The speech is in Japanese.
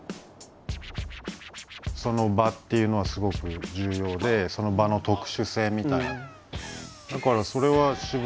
その場っていうのはすごく重要でその場の特殊性みたいな。